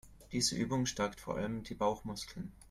Diese Übung stärkt vor allem die Bauchmuskeln.